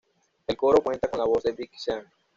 El coro cuenta con la voz de Big Sean.